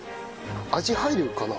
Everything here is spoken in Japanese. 味入るかな？